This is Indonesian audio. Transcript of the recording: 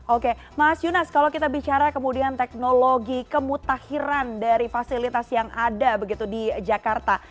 oke mas yunas kalau kita bicara kemudian teknologi kemutakhiran dari fasilitas yang ada begitu di jakarta